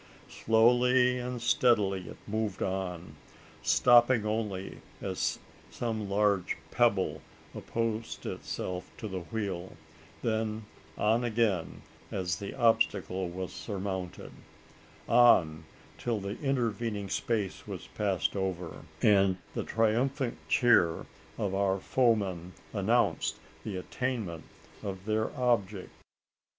Slowly and steadily it moved on stopping only as some large pebble opposed itself to the wheel then on again as the obstacle was surmounted on till the intervening space was passed over, and the triumphant cheer of our savage foemen announced the attainment of their object.